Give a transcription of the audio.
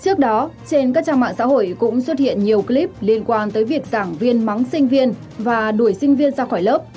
trước đó trên các trang mạng xã hội cũng xuất hiện nhiều clip liên quan tới việc giảng viên mắng sinh viên và đuổi sinh viên ra khỏi lớp